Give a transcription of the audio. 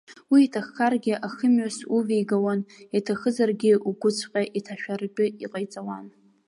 Уи иҭаххаргьы ахымҩас увигауан, иҭахызаргьы угәыҵәҟьа иҭашәаратәы иҟаиҵауан.